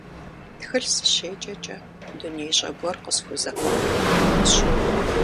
Тхылъ сыщеджэкӀэ, дунеищӀэ гуэр къысхузэӀуахыу къысщохъур.